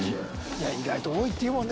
いや意外と多いっていうもんね